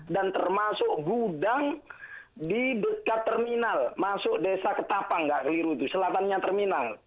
dan termasuk gudang di dekat terminal masuk desa ketapang nggak keliru itu selatannya terminal